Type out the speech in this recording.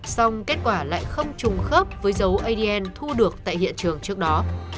xong kết quả lại không trùng khớp với dấu adn thu được tại hiện trường trước đó